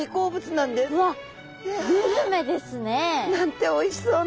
なんておいしそうな。